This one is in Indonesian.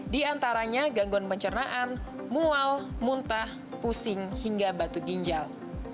di antaranya gangguan pencernaan mual muntah pusing hingga batu ginjal